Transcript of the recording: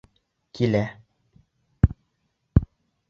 Килә!